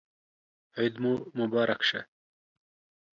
عید مو مبارک شه